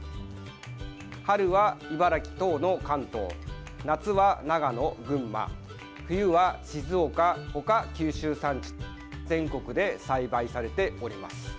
春は茨城等の関東夏は長野、群馬冬は静岡他、九州産地全国で栽培されております。